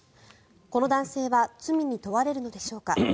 この男性は罪に問われるのでしょうか。